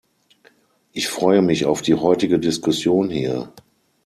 Ich freue mich auf die heutige Diskussion hier.